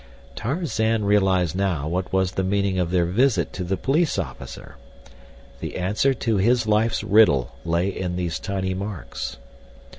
Tarzan realized now what was the meaning of their visit to the police officer. The answer to his life's riddle lay in these tiny marks.